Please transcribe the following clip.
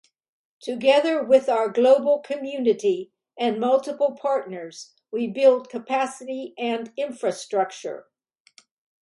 Together with our global community and multiple partners, we build capacity and infrastructure.